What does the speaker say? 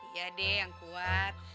iya deh yang kuat